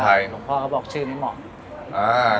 แล้วก็ผมพ่อก็บอกชื่อไม่เหมาะ